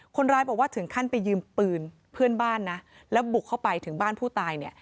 คนร้ายบอกว่าถึงขั้นไปยืมปืนเพื่อนบ้านนะแล้วบุกเข้าไปถึงบ้านผู้ตายเนี่ย